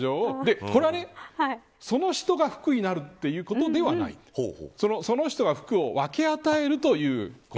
これは、その人が福になるということではないその人が福を分け与えるということ。